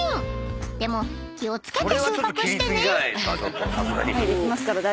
［でも気を付けて収穫してね］